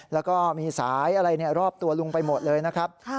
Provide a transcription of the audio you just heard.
แล้วก็มีสายอะไรรอบตัวลุงไปหมดเลยนะครับ